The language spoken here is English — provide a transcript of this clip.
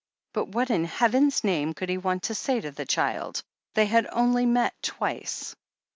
But what in Heaven's name could he want to say to the child — ^they had only met twice